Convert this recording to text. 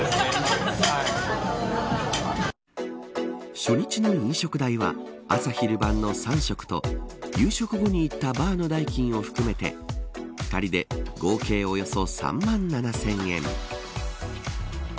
初日の飲食代は朝昼晩の３食と夕食後に行ったバーの代金を含めて２人で合計でおよそ３万７０００円。